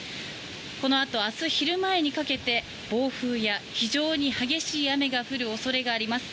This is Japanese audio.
このあと、明日昼前にかけて暴風や非常に激しい雨が降る恐れがあります。